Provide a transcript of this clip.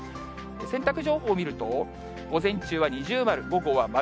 洗濯情報を見ると、午前中は二重丸、午後は丸。